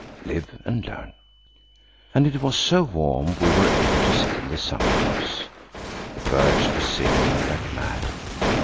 Live and learn.) And it was so warm we were able to sit in the summer house. The birds were singing like mad.